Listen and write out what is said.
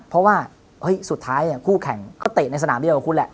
เพราะว่าสุดท้ายคู่แข่งก็เตะในสนามเดียวกับคุณแหละ